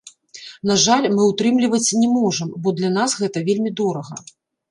На жаль, мы ўтрымліваць не можам, бо для нас гэта вельмі дорага.